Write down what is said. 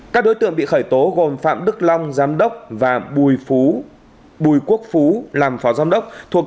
các đối tượng bị khởi tố gồm phạm đức long giám đốc và bùi quốc phú làm phó giám đốc thuộc